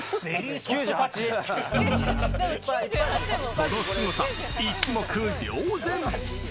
そのすごさ、一目瞭然。